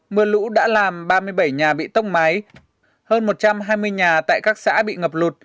mưa lũ đã làm ba mươi bảy nhà bị tốc mái hơn một trăm hai mươi nhà tại các xã bị ngập lụt